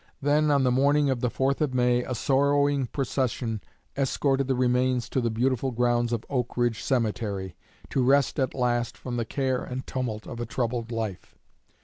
Then, on the morning of the 4th of May, a sorrowing procession escorted the remains to the beautiful grounds of Oak Ridge Cemetery, to rest at last from the care and tumult of a troubled life.